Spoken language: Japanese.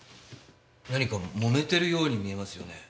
何かもめてるように見えますよね。